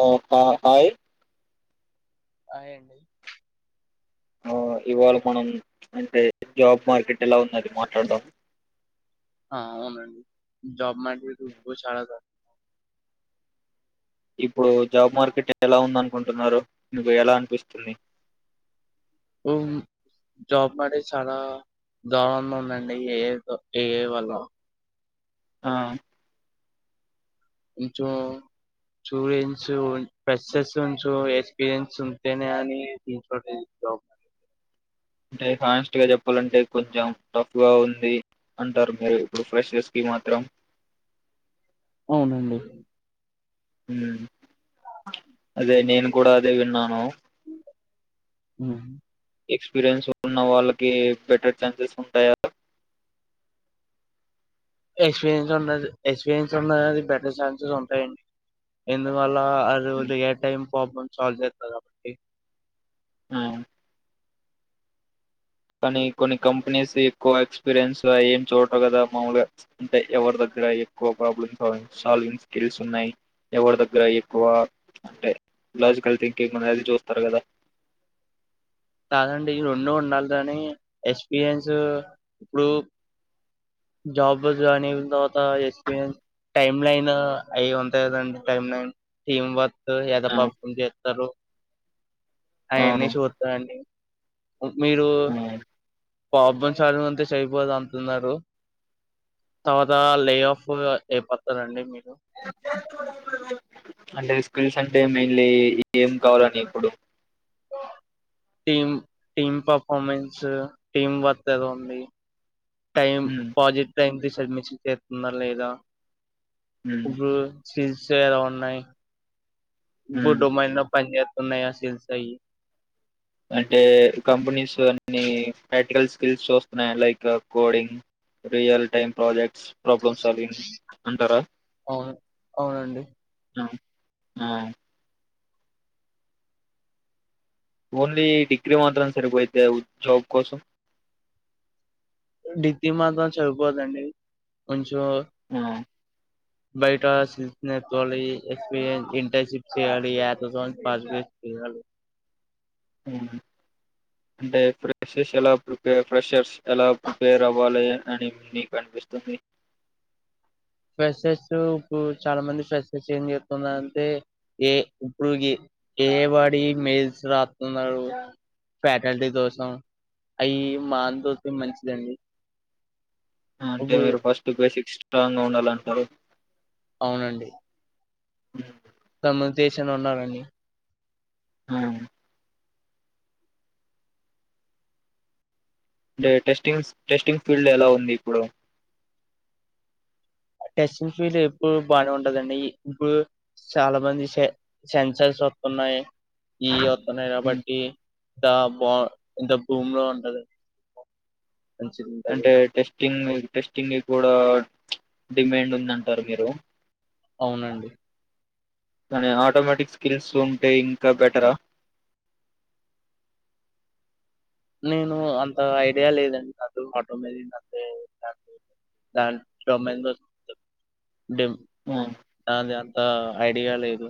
ఆఓ ఆ ఆయ్ హాయ్ అండి ఆ ఇవాళ మనం ప్చ్ అంటే, జాబ్ మార్కెట్ ఎలా ఉన్నది మాట్లాడం. ఆ అవునండి జబ్ [unintelligible] ఇప్పుడు జాబ్ మార్కెట్ ఎలా ఉంద అనుకుంటున్నారు మీకు ఎలా అనిపిస్తుంది ఉహ్ హు జాబ్ మానేశాలా రావాల్నుందండి. ఏదో ఈ ఏర్ వాళ్ళ ఆ ఇంచో చూడెంస్ ప్రస్సెసు ఉంచు ఎక్స్పీరియన్స్ ఉంటేనే అని [unintelligible] అంటే హానెస్ట్ గా చెప్పాలంటే, కొంచెం టఫ్గా ఉంది. అంటారు మీరు ఇప్పుడు ఫ్రెషస్ కి మాత్రం. అవునండి ఉమ్ అదే నేను కూడా అదే విన్నాను. ఉహ్ ఎక్స్పీరియన్స్ ఉన్న వాళ్ళకి, బెటర్ ఛాన్సెస్ ఉంటాయా? ఎక్స్పీరియన్స్ ఉన్డదు, ఎక్స్పీరియన్స్ ఉన్నది బెటర్ ఛాన్సెస్ ఉంటాయండి. ఎందువల్ లా ఉమ్, అదోదిలేయ్ టైం ప్రబ్లం సల్వ్ చేతదా బట్టి ఆ కానీ కొన్ని కంపెనీస్ ఎక్కువ ఎక్స్పీరియన్స్ ఏం చూడటం కదా మాముూగా అంటే ఎవరి దగ్గర ఎక్కువ ప్రాబ్లమ్ సాల్వింగ్ స్కిల్స్ ఉన్నాయి ఎవరి దగ్గర ఎక్కువ అంటే లాజికల్ థింకింగ్ అనేది చూస్తారు కదా కాదంటడి రెండు ఉండాలి కని ఎక్స్పీరియన్స్ ఇప్పుడు జాబ్ జాయిన్ అయినా తర్వాత ఎక్స్పీరియన్స్ టైమ్ లైన్ అవి ఉంటాయి కదండి టైమ్ లైన్ టీమ్ వర్క్ ఆ పాపున్ చేస్తారు అవన్నీ అవును చూస్తాడి మీరు హ్మ్. ప్రాబ్ంస్లులు అంతే చెయపోదు అంటున్నారు తర్వాత లే ఆఫ్ ఏయిపోతందిండి మీరు అంటే స్కిల్స్ అంటే మెయిన్లీ ఏం కావాలని ఇప్పుడు టీమ్ టీమ్ పర్ఫార్మెన్స్ టీమ్ వద్ద ఉంది టైం హ్మ్. పాజిట్ టైం తీసి అడ్మిషన్ చేస్తున్నారు లేదా హ్మ్. ఇప్పుడు కిల్స్ ఎలా ఉన్నాయి హ్మ్. వుడోమైంలో పనిచేస్తున్నాయా హిల్స్ అయ్యి అంటే కంపెనీస్ అన్ని ప్రాక్టికల్ స్కిల్స్ చూస్తున్నాయి like coding real time projects ప్రో ఇంకొకసారి అంటారా అవును అవునండి ఆ ఓన్లీ డిగ్రీ మాత్రం సరిపోయితే జాబ్ కోసం ఓన్లీ మాత్రం సరీపోదండి కొంచెం ఆ బయట స్కిల్స్ నేర్చుకోవాలి ఇంటర్న్షిప్ చేరాలి నేర్చుకోవాలి చీరలు అవునా అంటే ఫ్రెషస్ ఎలా ఫ్రెషర్స్ ఎలా ప్రిపేర్ అవ్వాలి అని మీకంటూ ఇస్తుంది ఫ్రె ఫ్రెషర్స్స్ ఇప్పుడు చాలా మంది ఫ్రెషర్స్ ఏం చేస్తుంది అంటే ఏ ఇప్పుడు గేమ్ ఆడి మెయిల్స్ రాస్తున్నారు ఫ్యాకల్టీ కోసం అయి మాతో మంచిదండి అంటే ఇప్పుడు మీరు ఫస్ట్ బేసిక్ స్ట్రా గా ఉండాలంటారు అవునండి ఉ హు తమ దేశన్ ఉన్నారని అవును అంటే టెస్టింగ్ టెస్టింగ్ ఫీల్డ్ ఎలా ఉంది ఇప్పుడు టెస్టింగ్ ఫీల్డ్ ఎప్పుడు బాగానే ఉండదిన్న ఈ ఇప్పుడు చాలా మంది సె సెన్సర్స్ వస్తున్నాయి ఈ వస్తున్నాయి ఉమ్, కాబట్టి ఇంత బా ఎంత భూమిలో ఉంటది మంచిది ఉంటది చిన్న టెస్టింగ్ టెస్టింగ్ కూడా డిమాండ్ ఉందంటారు మీరు అవునండి కానీ ఆటోమేటిక్ స్కిల్స్ ఉంటే ఇంకా బెటరా నేను అంత ఐడియా లేదండి నాకు ఆటో మీదంతే దాని గురించి దానిమీద అంత ఐడియా లేదు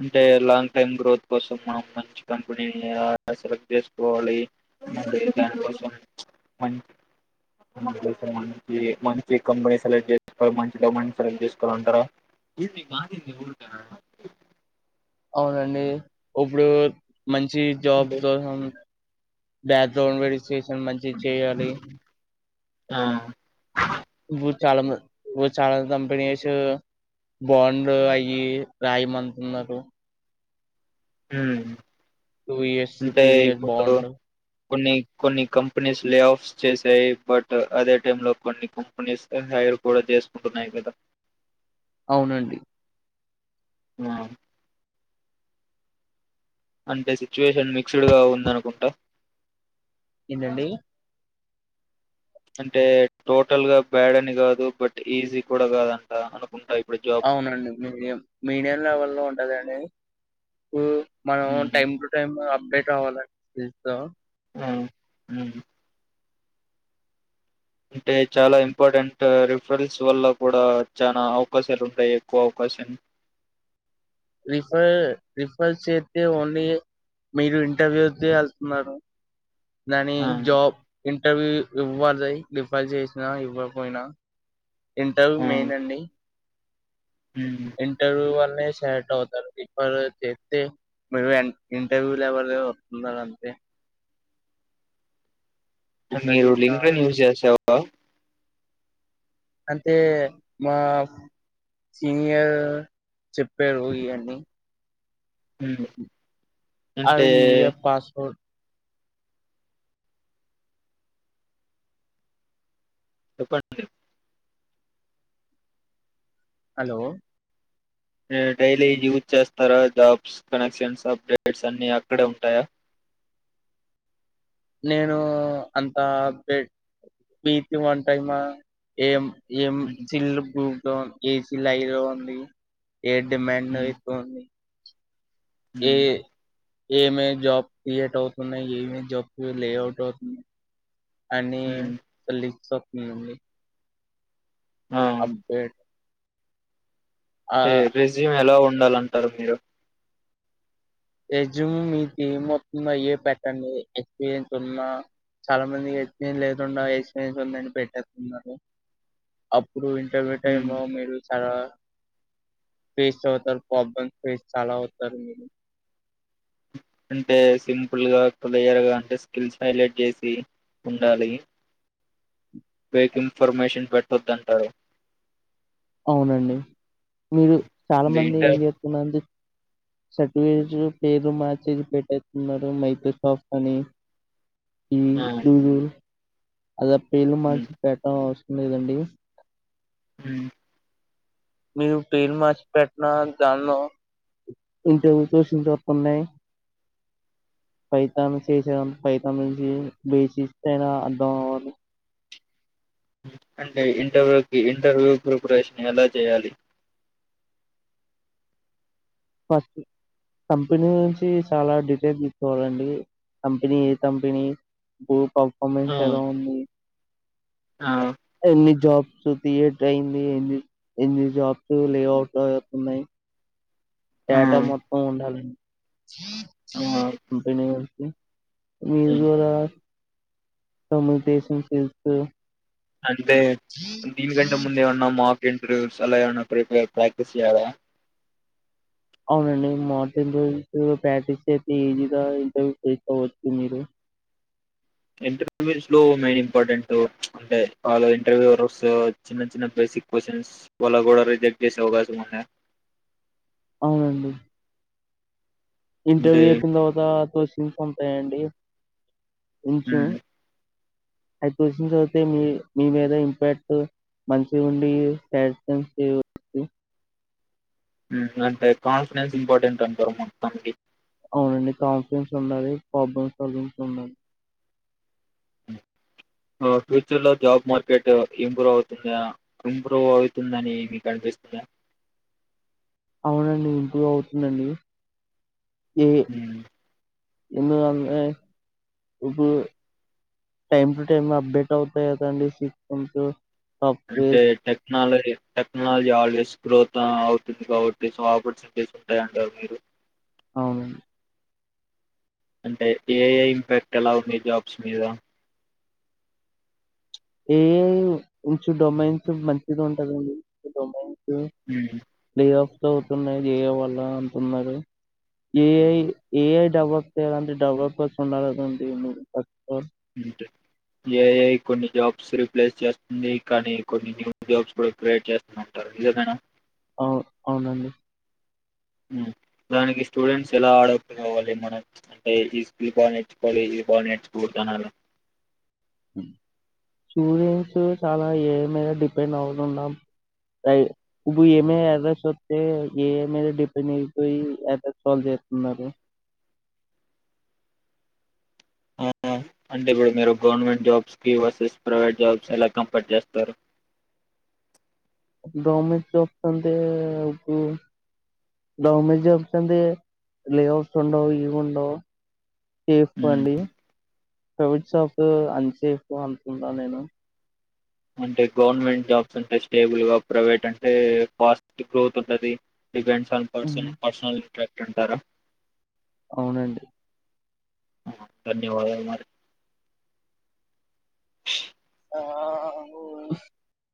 అంటే లాంగ్ టైమ్ గ్రోత్ కోసం మనం మంచి కంపెనీని సెలెక్ట్ చేసుకోవాలి మళ్లీ దాని కోసం మంచి మంచి మంచి కంపెనీ సెలెక్ట్ చేసుకోవాలి మంచి డమెంట్ సెలెక్ట్ చేసుకోవాలింటారా ఇది ఊరికే మాదింది ఊరుక అవునండి ఇప్పుడు మంచి జాబ్ దొసం బ్యాక్గ్రౌండ్ వెరిఫికేషన్ మంచిగా చేయాలి ఆ చాలా మా ఓ చాలా కంపెనీస్ బాండ్ అయ్యి రాయమంటన్నారు ఉమ్ టూ ఇయర్స్ అంటే త్రీ ఇయర్ ఇప్పుడు బాండ్ కొన్ని కొన్ని కంపెనీస్ లే ఆఫ్స్ చేసాయి బట్ అదే టైం లో కొన్ని కంపెనీస్ పేరు కూడా చేసుకుంటున్నాయి కదా అవునండి ఆ అంటే సిచ్యువేషన్ మిక్స్డ్ గా ఉందనుకుంటా ఏందండి అంటే టోటల్ గా బ్యాడ్ అని కాదు బట్ ఈజీ కూడా కాదంట అనుకుంటా ఇప్పుడు జాబ్ అవునండి మీడియం మీడియం లెవెల్ లో ఉంటదండి మనం um time to time update అవ్వాలి దీంతో ఆ అంటే చాలా ఇంపార్టెంట్ రిఫల్స్ వల్ల కూడా చాలా అవకాశాలుంటాయి ఎక్కువ అవకాశ షన్ రిఫర్ రిఫర్ చేతే ఓన్లీ మీరు ఇంటర్వ్యూది వెళ్తున్నారు దాని ఆ జాబ్ ఇంటర్వ్యూ ఇవ్వడయి డిఫజట్ చేసిన ఇవ్వపోయినా ఇంటర్వ్యూ ఆ మెయిన్ అండి హ్మ్ ఇంటర్వ్యూ వల్లె సెలెక్ట్ అవుతారు రేఫర్ చేస్తే మీరు ఇంటర్వ్యూలు ఎవర వస్తున్నారు అంతే రిఫర్ మీరు చేసిన లింకును యూజ్ చేసావా అంతే మా సీనియర్ చెప్పరు ఇవ్వన్ని హ్మ్ అంటే అవీ ఈ ఇయర్ పాస్ ఫోట్ చెప్పండి హలో డైలీ యూజ్ చేస్తారా జాబ్స్ కనెక్షన్స్ అప్డేట్స్ అన్ని అక్కడే ఉంటాయా [inaudible] నేను అంత అప్డేట్ వీక్లీ వన్ టైమా ఏం ఏం హ్మ్ చిల్లుబుక్ డౌన్ ఎసిలైరో ఉంది ఏ డిమాండ్ హ్మ్ ఎక్కువుంది ఏ హ్మ్ ఏమే జాబ్ క్రియేట్ అవుతున్నాయి ఏమే జాబ్ లేఅవుట్ అవుతున్నాయి అని హ్మ్ లిఫ్ట్చెక్ మీ ఉంది ఆ అప్డేట్ ఆ ఏ రెజ్యూమ్ ఎలా ఉండాలంటారు మీరు రెజ్యూమ్ మీది ఏమొస్తుందో అయ్యే పేటండి ఎక్స్పీరియన్స్ ఉన్నా చాలా మంది ఎక్స్పీరియన్స్ లేకుండా ఎక్స్పీయన్స్ ఉందని పెట్టేస్తున్నారు ఇప్పుడు ఇంటర్వ్యూ టైం హ్మ్ మీరు చాలా ఫేస్ అవుతారు ప్రాబ్లమ్ ఫేస్ చాలా అవుతారు మీరు అంటే సింపుల్ గా క్లియర్ గా అంటే స్కిల్స్ హైలైట్ చేసి ఉండాలి ఫేక్ ఇన్ఫర్మేషన్ పెట్టొద్దంటారు అవునండి మీరు చాలా అంటే మంది ఇంటర్ ఏం చేస్తుతున్నారు [inaudible] చట్వ పేరు మార్చేది పెట్టేస్తున్నారు మైతోసాప్ట్ అని ఈ ఆ దూరు అలా పేర్లు హ్మ్ మార్చి పెట్టడం అవసరం లేదండి హ్మ్మ్ మీరు పేర్లు మార్చి పెట్టన జాన్న ఇన్టర్యూస్ ఇంకొన్నున్నాయ్ [inaudible] పైతన్ చేస పైతన్ నుంచి బేసి ఇస్తనా అర్ధం అవాలి అంటే ఇంటర్వ్యూకి ఇంటర్వ్యూ ప్రిపరేషన్ ఎలా చేయాలి కంపెనీ నుంచి చాలా డీటెయిల్ తీసుకోవాలండి కంపెనీ ఏ కంపెనీ ఇ పర్ఫార్మెన్స్ ఎలా ఉంది అ ఎన్ని జబ్స్ ఏ ట్రైంది ఎన్ని జాబ్స్ లేఅవుట్ అవుతున్నాయి ఆ! డట మొత్తం ఉండాలని ఆ! కపని వ హ్మ్. మీజల కముకెషన్ స్కిల్స్ అంటే దీని గంటే ముందేమన్నాము ఇంటర్వ్యూస్ ఎలా ప్రిపేర్ ప్రాక్టీస్యడా అవునండి మార్టిన్ రోజస్ ప్రాక్టీస్ చేస్త ఈజీగా ఇంటర్వ్యూ చేకోవచ్చు మీరు ఇంటర్వ్యూస్ లో మెయిన్ ఇంపార్టెంట్ అంటే వాళ్ళ ఇంటర్వ్యూ చిన్న చిన్న ప్లే సిన్ వా గోడ రిజెక్ట్ జసే అవకాశం ఉన్నయ అవునండి అంటే ఇంటర్వ్యూ అయిపోయిన తర్వాత తోసిన్ఫాయిండి ఉంచం హ్మ్. అయికోశనయితే మీ మీ మీద ఇంపాక్ట్ మంచి ఉండి శం చేయ అంటే కాన్ఫిడెన్స్ ఇంపార్టెంట్ అంటారు మొత్తానికి అవునండి కాౌన్ఫడెన్స్ ఉండాలి ప్రాబ్లమ్ సల్న్స్ ఉండాలి ఫ్యూచర్ లో జాబ్ మార్కెట్ ఇంప్రూవ్ అవుతుందా ఇంప్రూవ్ అవుతుందని మీకు అనిపింది ఇ అవునండి ఇంప్రువ్ అవుతుందండి ఏఎ హ్మ్. ఇందు అన్నే ఇప్పు టైమ్ టు టైమ్ అప్డేట్ అవుతాయి కదండి సిస్టమ్స్ అంటే సాఫ్ట్వేర్స్ టె టెక్నాలజీ టెక్నాలజీ ఆల్వేస్ గ్రోత్ అవుతుంది కాబట్టి సో ఆపర్చునిటీస్ ఉంటాయింటారు మీరు అవునుండి అంటే ఏ ఏ ఇంపాక్ట్ ఎలా ఉంది జాబ్స్ మీద ఏ ఇంచు డొమైన్స్ మంచిది ఉంటందండి డొమైన్ ఉమ్ ప్ ఆఫ్ త అవుతున్నాయి చేయ వాల అంటున్నారు ఏఐ ఏఐ డెవలప్ చేయాలంట డెవలప్ గా ఉన్నాలకదండి అంట ఏ కొన్ని జాబ్స్ రిప్లేస్ చేస్తుంది కానీ కొన్ని న్యూ జాబ్స్ కూడా క్రియేట్ చేస్తుంటారు ఇయకా అవు అవునండి దానికి స్టూడెంట్స్ ఎలా ఆడప్పుటు కావాలి మన అంటే ఈ స్కల్ బాగా నేర్చుకోవాలి బతు కనాల స్టూడెంట్స్ చాలా ఏఎ మీద డిపెండ్ అవుతున్నాం అయి నువ్వు ఏమ అర్రర్స్ వస్తే ఏద డిపెండ్ అయిపోయి అర్రర్స్ సాల్వ్ చేస్తున్నారు ఆ అంటే ఇప్పుడు మీరు గవర్నమెంట్ జాబ్స్ కి వర్సెస్ ప్రైవేట్ జాబ్స్ ఎలా కంపేర్ చేస్తారు గవర్నమెంట్ చూస్తూ ఇప్పు గవర్నమెంట్ జాబ్స్ అంది లే ఔట్స్ ఉండవు ఏం ఉండవు సేఫ ఉమ్ అండి ప్రైవేట్ షాప్ అంతసేఫ్ అంతందా నేను అంటే గవర్నమెంట్ జాబ్స్ అంటే స్టేబుల్ గా ప్రైవేట్ అంటే కాస్ట్ గ్రోత్ ఉంటది depends on person um, personal interact అంటారా అవునండి ధన్యవాదాలు మరి అ